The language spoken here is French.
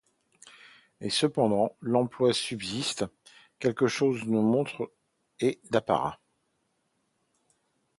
Et cependant l’emploi subsiste, comme chose de montre et d’apparat.